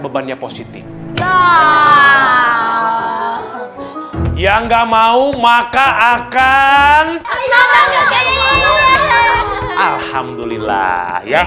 bebannya positif yang enggak mau maka akan alhamdulillah ya